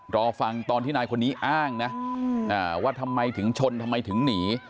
รอฟังตอนที่นายคนนี้อ้างนะว่าทำไมถึงชนทำไมถึงหนี